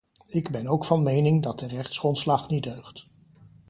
Ik ben ook van mening dat de rechtsgrondslag niet deugt.